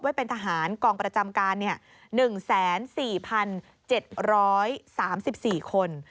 เป็นทหารกองประจำการ๑๔๗๓๔คน